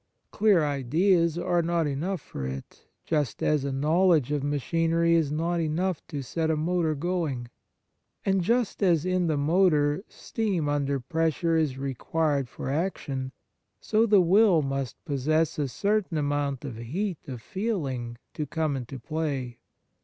Clear ideas are not enough for it, just as a knowledge of machinery is not enough to set a motor going. And, just as in the motor, steam under 107 On Piety pressure is required for action, so the will must possess a certain amount of heat of feeling to come into play.